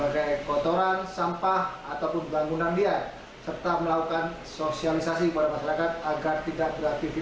ke kotoran sampah ataupun bangunan liar serta melakukan sosialisasi kepada masyarakat agar tidak beraktivitas